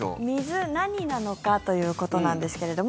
水、何なのかということなんですけれども。